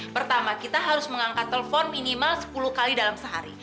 pertama kita harus mengangkat telepon minimal sepuluh kali dalam sehari